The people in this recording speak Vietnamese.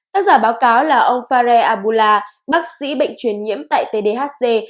tác giả báo cáo là ông farre abula bác sĩ bệnh truyền nhiễm tại tdhc